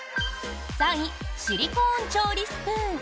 ３位シリコーン調理スプーン。